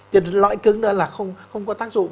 thì lõi cứng ra là không có tác dụng